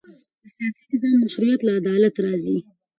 د سیاسي نظام مشروعیت له عدالت راځي